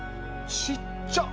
ちっちゃ。